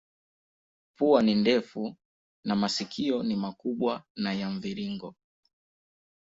Pua ni ndefu na masikio ni makubwa na ya mviringo.